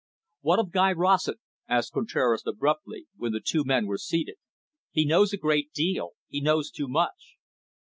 "What of Guy Rossett?" asked Contraras abruptly, when the two men were seated. "He knows a great deal. He knows too much."